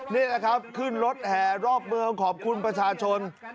นี่แหละครับขึ้นรถแห่รอบเมืองขอบคุณประชาชน